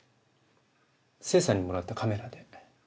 聖さんにもらったカメラで。